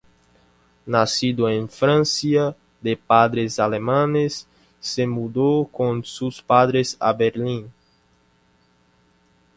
Nacido en Francia de padres alemanes, se mudó con sus padres a Berlín.